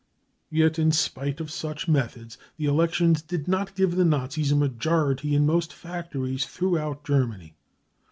Yet in spite of such methods the elections did not give the Nazis a majority in most factories throughout Germany.